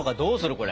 これ。